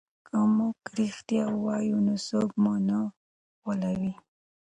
که موږ رښتیا ووایو نو څوک مو نه غولوي.